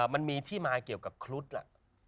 มันมีที่มาเกี่ยวกับครุฑล่ะ